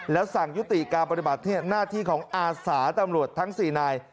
แล้วสั่งยุติการปฏิบัติหน้าที่ของอาสาตำรวจทั้ง๔นาย